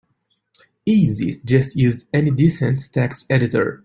Easy, just use any decent text editor.